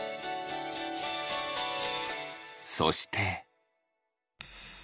そして。